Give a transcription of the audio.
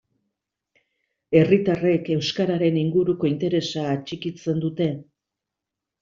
Herritarrek euskararen inguruko interesa atxikitzen dute?